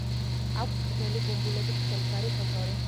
აქვს გრძელი ბუმბულებით შემდგარი ქოჩორი.